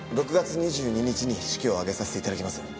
６月２２日に式を挙げさせて頂きます。